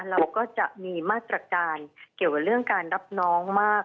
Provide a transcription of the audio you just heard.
เราก็จะมีมาตรการเกี่ยวกับเรื่องการรับน้องมาก